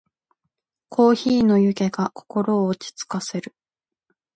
コーヒーの湯気が心を落ち着かせる。